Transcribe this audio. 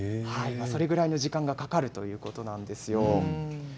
それぐらいの時間がかかるということなんです。